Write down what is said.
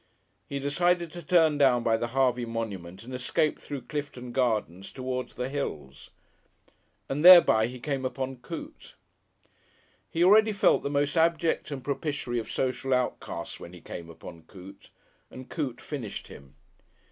He decided to turn down by the Harvey monument and escape through Clifton Gardens towards the hills. And thereby he came upon Coote. He already felt the most abject and propitiatory of social outcasts when he came upon Coote, and Coote finished him.